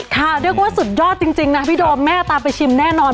เรียกว่าสุดยอดจริงนะพี่โดมแม่ตามไปชิมแน่นอน